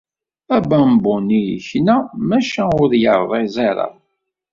Abambu-nni yekna maca ur yerriẓ ara.